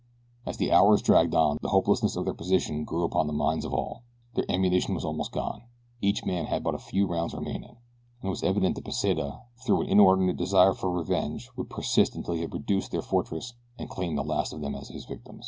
As the hours dragged on the hopelessness of their position grew upon the minds of all. Their ammunition was almost gone each man had but a few rounds remaining and it was evident that Pesita, through an inordinate desire for revenge, would persist until he had reduced their fortress and claimed the last of them as his victim.